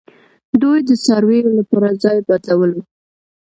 دوی د څارویو لپاره ځای بدلولو